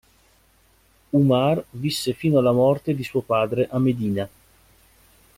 ʿUmar visse fino alla morte di suo padre a Medina.